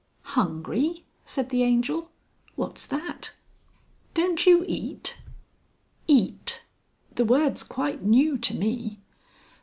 "Hungry!" said the Angel. "What's that?" "Don't you eat?" "Eat! The word's quite new to me."